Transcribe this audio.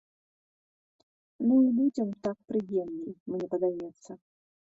Ну, і людзям так прыемней, мне падаецца.